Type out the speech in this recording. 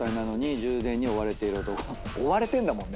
追われてんだもんね